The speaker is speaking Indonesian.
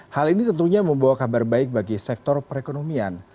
hal ini tentunya membawa kabar baik bagi sektor perekonomian